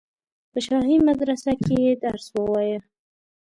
په شاهي مدرسه کې یې درس ووایه.